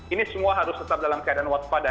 ini semua harus tetap dalam keadaan waspada